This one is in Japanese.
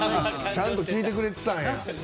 ちゃんと聴いてくれてたんや。